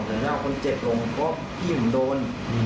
แต่ไม่เอาคนเจ็บลงเพราะพี่ผมโดน